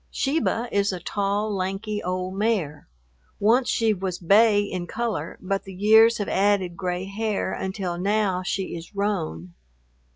Sheba is a tall, lanky old mare. Once she was bay in color, but the years have added gray hair until now she is roan.